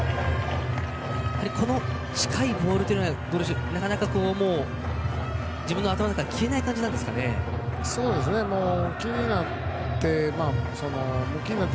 この近いボールというのがなかなか自分の頭の中から消えない感じなんですかね。